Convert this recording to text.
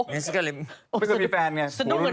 ไม่เคยมีแฟนไง